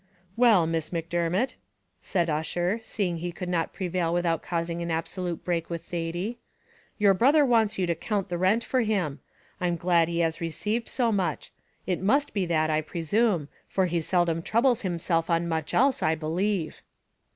"Well, Miss Macdermot," said Ussher, seeing he could not prevail without causing an absolute break with Thady, "your brother wants you to count the rent for him. I'm glad he has received so much; it must be that, I presume, for he seldom troubles himself on much else, I believe."